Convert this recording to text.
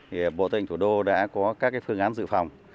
thì bộ tư lệnh thủ đô đã có các phương án dự phòng